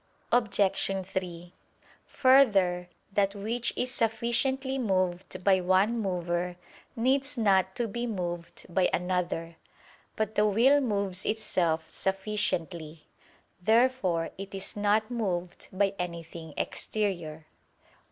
Obj. 3: Further, that which is sufficiently moved by one mover, needs not to be moved by another. But the will moves itself sufficiently. Therefore it is not moved by anything exterior.